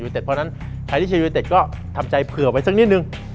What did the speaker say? เพราะฉะนั้นใครที่เชียร์ยูนิเต็ดก็ทำใจเผื่อไว้สักนิดนึง